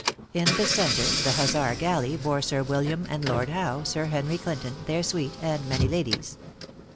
In the centre, the Hussar galley bore Sir William and Lord Howe, Sir Henry Clinton, their suite, and many ladies.